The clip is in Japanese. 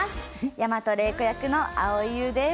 大和礼子役の蒼井優です。